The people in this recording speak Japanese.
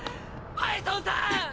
バイソンさん！！